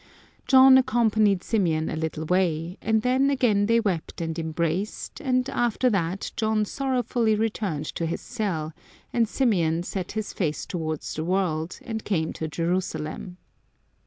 John accompanied Symeon a little way, and then again they wept and embraced, and after that John sorrowfully returned to his cell, and Symeon set his face towards the world, and came to Jerusalem.